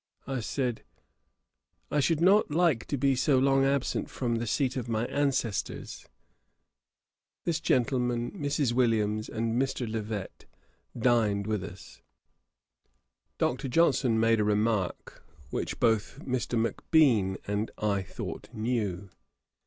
I said, 'I should not like to be so long absent from the seat of my ancestors.' This gentleman, Mrs. Williams, and Mr. Levet, dined with us. Dr. Johnson made a remark, which both Mr. Macbean and I thought new.